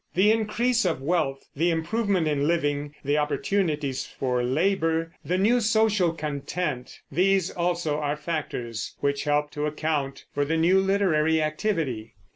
The increase of wealth, the improvement in living, the opportunities for labor, the new social content these also are factors which help to account for the new literary activity.